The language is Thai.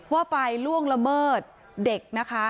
ว่าไปล่วงละเมิดเด็กนะคะ